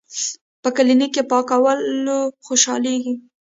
پۀ کلینک پاکولو خوشالیږي ـ